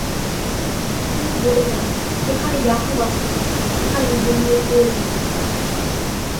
তিনি বলে যান, “যেখানে ইয়াকুব আছে, সেখানে ইবরাহইমের প্রয়ােজন নেই”।